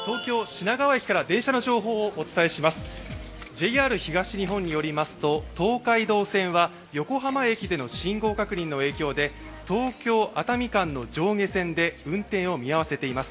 ＪＲ東日本によりますと、横浜駅で信号確認の関係で東京、熱海間の上下間で運転を見合わせています。